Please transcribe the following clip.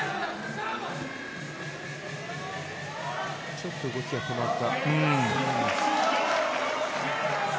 ちょっと動きが止まった。